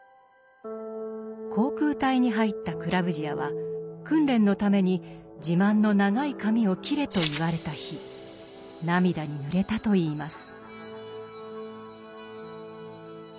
航空隊に入ったクラヴヂヤは訓練のために自慢の長い髪を切れと言われた日涙にぬれたといいます。